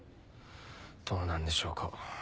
どうなんでしょうか？